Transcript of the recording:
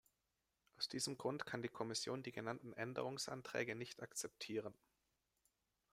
Aus diesem Grund kann die Kommission die genannten Änderungsanträge nicht akzeptieren.